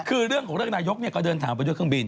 คือเรื่องเลยของนายกเนี่ยก็เดินทางไปด้วยเครื่องบิน